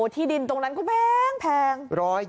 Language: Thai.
ที่ดินตรงนั้นก็แพง